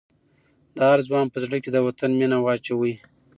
د هر ځوان په زړه کې د وطن مینه واچوئ.